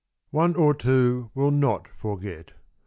One or two Will not forget.